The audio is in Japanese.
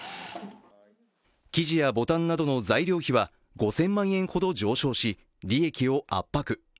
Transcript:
生地やボタンなどの材料費は５０００万円ほど上昇し、利益を圧迫。